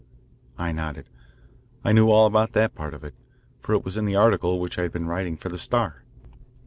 I nodded. I knew all about that part of it, for it was in the article which I had been writing for the Star.